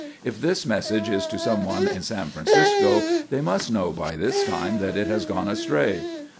If this message is to anyone in San Francisco, they must know by this time that it has gone astray.